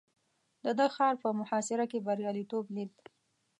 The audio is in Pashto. ده د ښار په محاصره کې برياليتوب ليد.